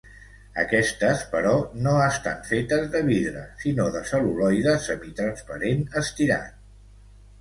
Aquestes, però, no estan fetes de vidre, sinó de cel·luloide semitransparent estirat.